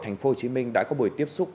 thành phố hồ chí minh đã có buổi tiếp xúc